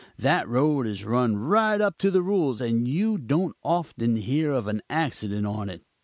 That road is run right up to the rules and you don't often hear of an accident on it.